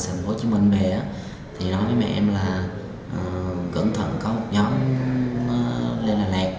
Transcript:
thành phố hồ chí minh về thì đối với mẹ em là cẩn thận có một nhóm lên đà lạt